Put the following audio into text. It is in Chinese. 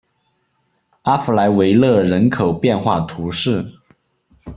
阿弗莱维勒人口变化图示